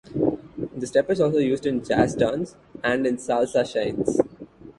The step is also used in jazz dance, and in Salsa shines.